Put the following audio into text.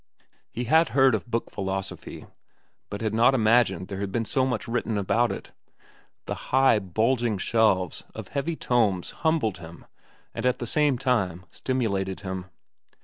He had heard of book philosophy, but had not imagined there had been so much written about it. The high, bulging shelves of heavy tomes humbled him and at the same time stimulated him.